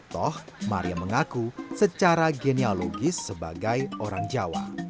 toh maria mengaku secara geneologis sebagai orang jawa